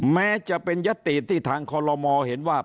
แม้จะเป็นยติที่ทางคอลโลมอเห็นว่า